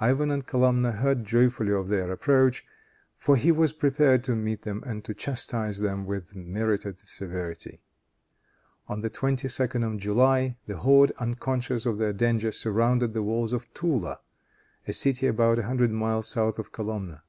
Ivan at Kolumna heard joyfully of their approach, for he was prepared to meet them and to chastise them with merited severity. On the 22d of July, the horde, unconscious of their danger, surrounded the walls of Toola, a city about a hundred miles south of Kolumna.